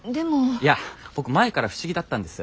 いや僕前から不思議だったんです。